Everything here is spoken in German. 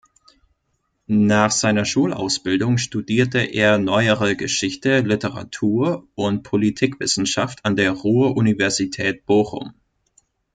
Nach seiner Schulausbildung studierte er Neuere Geschichte, Literatur- und Politikwissenschaft an der Ruhr-Universität Bochum.